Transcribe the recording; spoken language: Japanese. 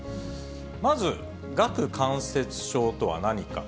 まず、顎関節症とは何か。